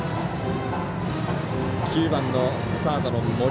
９番のサードの森。